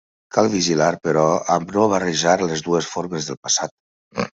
Cal vigilar, però, amb no barrejar les dues formes del passat.